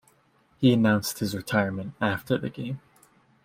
He announced his retirement after the game.